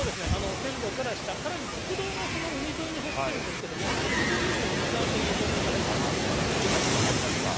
線路から下、さらに国道がその海沿いに走っているんですけども、国道よりも海側という情報が入ってきてますね。